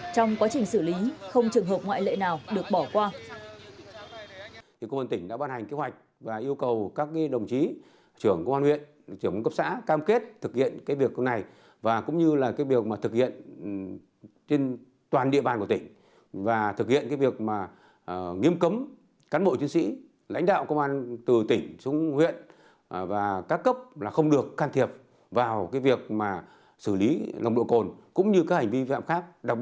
trong quá trình xử lý không trường hợp ngoại lệ nào được bỏ qua